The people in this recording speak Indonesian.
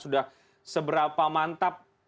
sudah seberapa mantap